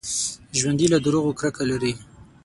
ژوندي له دروغو کرکه لري